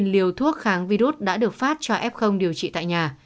một mươi liều thuốc kháng virus đã được phát cho f điều trị tại nhà